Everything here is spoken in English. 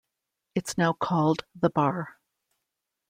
It's now called The Bar.